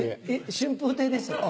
春風亭です。